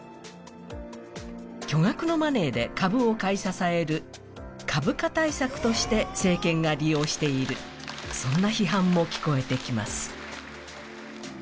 巨額のマネーで株を買い支える株価対策として政権が利用している、そんな批判も聞こえてきます。